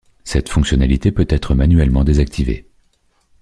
Cette fonctionnalité peut être manuellement désactivée.